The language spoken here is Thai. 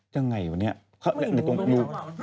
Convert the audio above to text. ยังไงวะเนี่ยเข้าไปได้ตรงขอบ